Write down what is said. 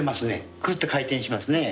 ぐるって回転しますね。